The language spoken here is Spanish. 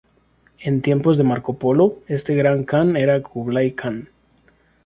En tiempos de Marco Polo este Gran Kan era Kublai Kan.